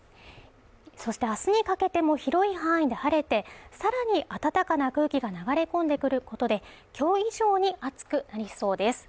そして明日にかけても広い範囲で晴れて、さらに暖かな空気が流れ込んでくることで、今日以上に暑くなりそうです。